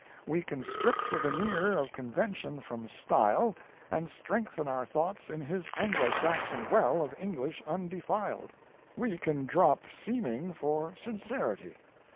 We can strip the veneer of convention from style and strengthen our thought in his Anglo Saxon well of English undefiled. We can drop seeming for sincerity.